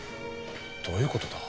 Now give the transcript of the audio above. どういうことだ？